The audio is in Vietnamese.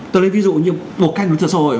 tôi lấy ví dụ như một cái đối tượng xã hội